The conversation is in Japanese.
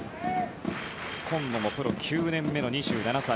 今野もプロ９年目の２７歳。